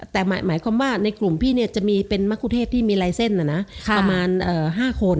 แต่หมายความว่าในกลุ่มพี่จะมีเป็นมะคุเทศที่มีลายเส้นประมาณ๕คน